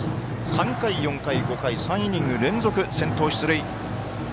３回、４回、５回、３イニング連続先頭出塁。